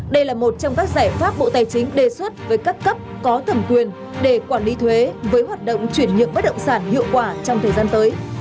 đây là một trong các giải pháp bộ tài chính đề xuất với các cấp có thẩm quyền để quản lý thuế với hoạt động chuyển nhượng bất động sản hiệu quả trong thời gian tới